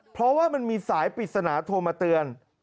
เพราะว่ามันมีสายปริศนาโทรมาเตือน